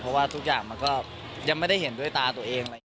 เพราะว่าทุกอย่างมันก็ยังไม่ได้เห็นด้วยตาตัวเอง